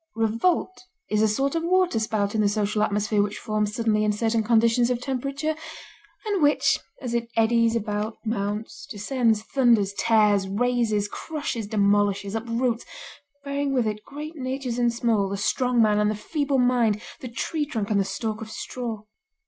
Revolt is a sort of waterspout in the social atmosphere which forms suddenly in certain conditions of temperature, and which, as it eddies about, mounts, descends, thunders, tears, razes, crushes, demolishes, uproots, bearing with it great natures and small, the strong man and the feeble mind, the tree trunk and the stalk of straw.